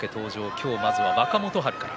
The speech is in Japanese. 今日まずは若元春から。